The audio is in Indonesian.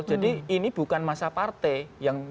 jadi ini bukan masa partai